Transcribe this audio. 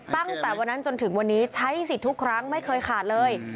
ตั้งแต่วันนั้นจนถึงวันนี้ใช้สิทธิ์ทุกครั้งไม่เคยขาดเลย